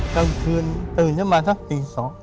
กลางคืนตื่นจะมาสักกี่สอง